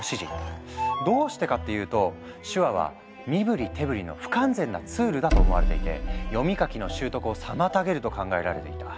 どうしてかっていうと手話は身振り手振りの不完全なツールだと思われていて読み書きの習得を妨げると考えられていた。